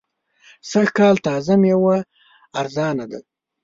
سږ کال تازه مېوه ارزانه ده.